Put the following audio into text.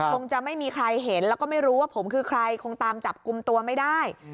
คงจะไม่มีใครเห็นแล้วก็ไม่รู้ว่าผมคือใครคงตามจับกลุ่มตัวไม่ได้